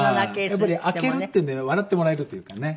やっぱり開けるっていうので笑ってもらえるというかね。